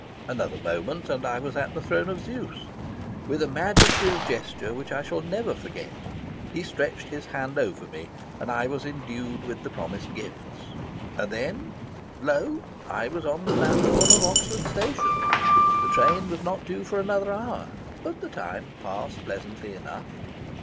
Another moment, and I was at the throne of Zeus. With a majesty of gesture which I shall never forget, he stretched his hand over me, and I was indued with the promised gifts. And then, lo! I was on the platform of Oxford station. The train was not due for another hour. But the time passed pleasantly enough.